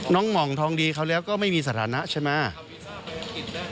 หม่องทองดีเขาแล้วก็ไม่มีสถานะใช่ไหม